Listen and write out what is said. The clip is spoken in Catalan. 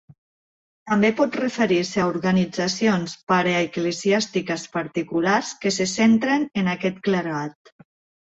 També pot referir-se a organitzacions paraeclesiàstiques particulars que se centren en aquest clergat.